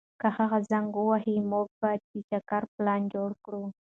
که هغه زنګ ووهي، موږ به د چکر پلان جوړ کړو.